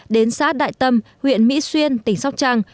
đến xã đại tâm huyện mỹ xuyên tỉnh sóc trăng